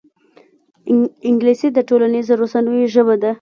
انګلیسي د ټولنیزو رسنیو ژبه ده